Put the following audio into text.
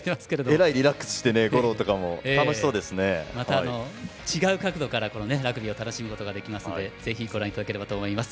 えらいリラックスして五郎とかもまた違う角度からラグビーを楽しむことができますのでぜひ、ご覧いただければと思います。